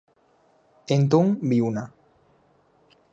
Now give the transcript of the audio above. Enton viuna.